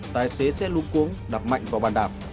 tài xế xe lũ cuống đập mạnh vào bàn đạp